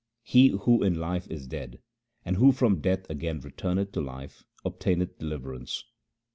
He who in life is dead, and who from death again returneth to life, obtaineth deliverance.